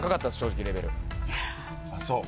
ああそう？